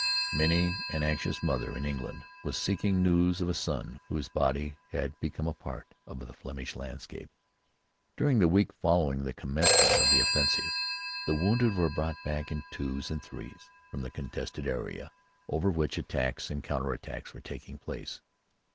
Many an anxious mother in England was seeking news of a son whose body had become a part of that Flemish landscape. During the week following the commencement of the offensive, the wounded were brought back in twos and threes from the contested area over which attacks and counter attacks were taking place.